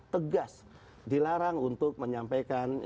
tegas dilarang untuk menyampaikan